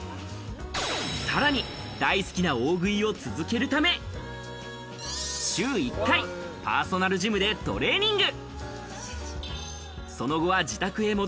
さらに、大好きな大食いを続けるため、週１回パーソナルジムでトレーニング。